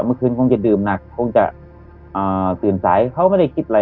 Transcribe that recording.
เมื่อคืนคงจะดื่มหนักคงจะอ่าตื่นสายเขาก็ไม่ได้คิดอะไร